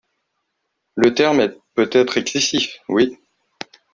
le terme est peut-être excessif, Oui